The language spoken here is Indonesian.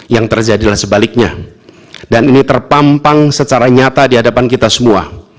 yang terjadilah sebaliknya dan ini terpampang secara nyata di hadapan kita semua